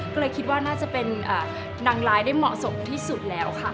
ก็เลยคิดว่าน่าจะเป็นนางร้ายได้เหมาะสมที่สุดแล้วค่ะ